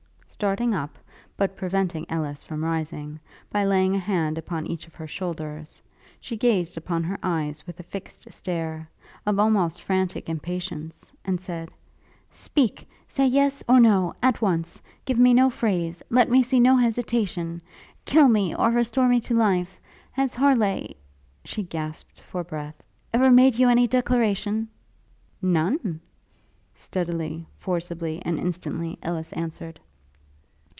Starting up, but preventing Ellis from rising, by laying a hand upon each of her shoulders, she gazed upon her eyes with a fixed stare, of almost frantic impatience, and said, 'Speak! say Yes, or No, at once! Give me no phrase Let me see no hesitation! Kill me, or restore me to life! Has Harleigh ' she gasped for breath 'ever made you any declaration?' 'None!' steadily, forcibly, and instantly Ellis answered.